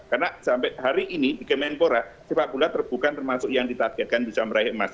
karena sampai hari ini di kemenpora sepak bola terbuka termasuk yang ditargetkan bisa meraih emas